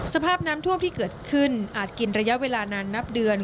สภาพน้ำท่วมที่เกิดขึ้นอาจกินระยะเวลานานนับเดือน